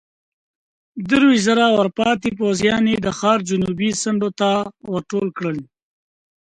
درويشت زره ورپاتې پوځيان يې د ښار جنوبي څنډو ته ورټول کړل.